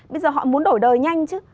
bây giờ họ muốn đổi đời nhanh chứ